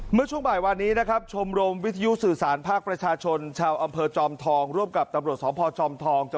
เมื่อช่วงบ่ายวันนี้นะครับชมรมวิทยุสื่อสารภาคประชาชนชาวอำเภอจอมทอง